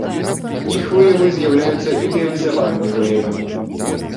Іх выявы з'яўляюцца ідэалізаванымі выявамі.